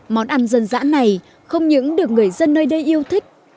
món ăn dân dã này không những được người dân nơi đây yêu thích